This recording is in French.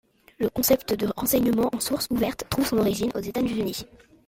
Le concept de renseignement en sources ouvertes trouve son origine aux États-Unis.